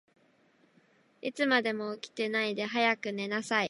いつまでも起きてないで、早く寝なさい。